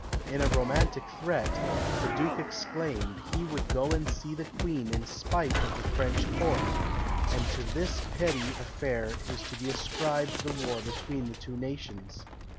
In a romantic threat, the duke exclaimed, he would go and see the queen in spite of the French court; and to this petty affair is to be ascribed the war between the two nations!